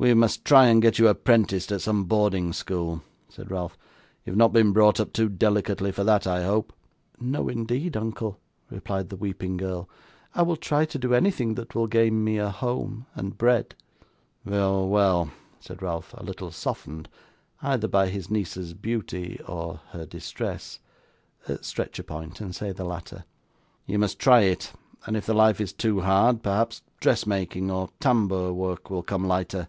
'We must try and get you apprenticed at some boarding school,' said Ralph. 'You have not been brought up too delicately for that, I hope?' 'No, indeed, uncle,' replied the weeping girl. 'I will try to do anything that will gain me a home and bread.' 'Well, well,' said Ralph, a little softened, either by his niece's beauty or her distress (stretch a point, and say the latter). 'You must try it, and if the life is too hard, perhaps dressmaking or tambour work will come lighter.